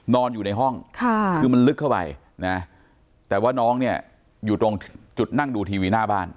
นอนอยู่ในห้องคือมันลึกเข้าไปนะแต่ว่าน้องเนี่ยอยู่ตรงจุดนั่งดูทีวีหน้าบ้าน